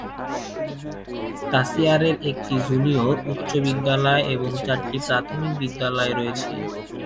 তাচিয়ারের একটি জুনিয়র উচ্চ বিদ্যালয় এবং চারটি প্রাথমিক বিদ্যালয় রয়েছে।